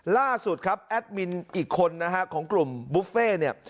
ล่าสุดครับแอดมินอีกคนนะฮะของกลุ่มบุฟเฟ่เนี่ย